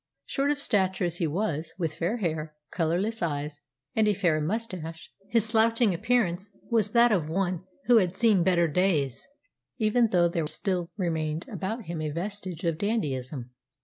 Short of stature as he was, with fair hair, colourless eyes, and a fair moustache, his slouching appearance was that of one who had seen better days, even though there still remained about him a vestige of dandyism.